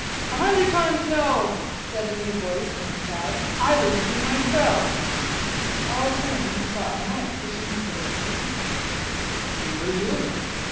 "A hundred times no!" said a new voice from the crowd. "I will meet him myself!" All turned and saw a knight pushing his way through the people. "Who are you?"